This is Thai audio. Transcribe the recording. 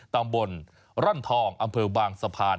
ตำบลร่อนทองอำเภอบางสะพาน